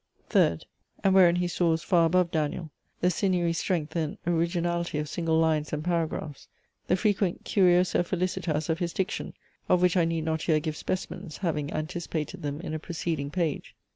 Third (and wherein he soars far above Daniel) the sinewy strength and originality of single lines and paragraphs: the frequent curiosa felicitas of his diction, of which I need not here give specimens, having anticipated them in a preceding page.